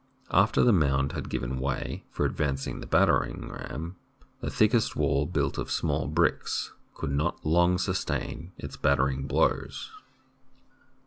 After the mound had given a way for advancing the battering ram, the thickest wall built of small bricks could not long sustain its battering blows.